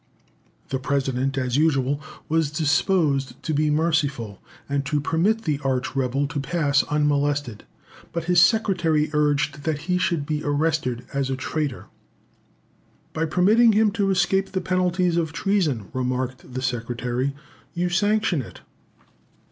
The President, as usual, was disposed to be merciful, and to permit the arch rebel to pass unmolested, but his Secretary urged that he should be arrested as a traitor. "By permitting him to escape the penalties of treason," remarked the Secretary, "you sanction it."